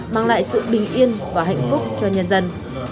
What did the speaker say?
mang lại sự bình yên và hạnh phúc cho nhân dân